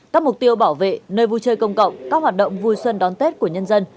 các mục tiêu bảo vệ nơi vui chơi công cộng các hoạt động vui xuân đón tết của nhân dân